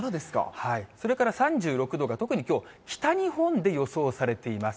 はい、それから３６度が特にきょう、北日本で予想されています。